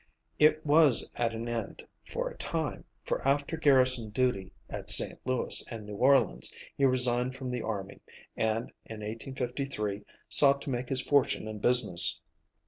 It was at an end for a time, for after garrison duty at St. Louis and New Orleans, he resigned from the army, and, in 1853, sought to make his fortune in business.